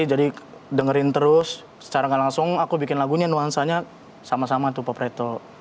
jadi dengerin terus secara nggak langsung aku bikin lagunya nuansanya sama sama tuh popretto